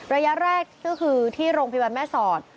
ระยะแรกก็คือที่โรงพยาบาลแม่สอด